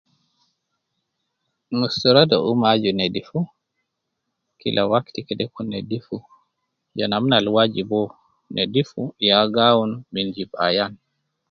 Mustura te umma aju nedifu, kila wakti kede kun nedifu, je namna al wajib uwo, nedifu ya gi awun min jib ayan